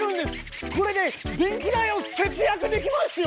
これで電気代を節約できますよ！